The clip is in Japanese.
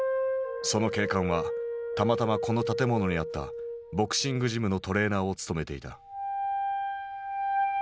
その警官はたまたまこの建物にあったボクシングジムのトレーナーを務めていた。